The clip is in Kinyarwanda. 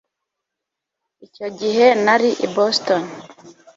Icyo gihe nari i Boston.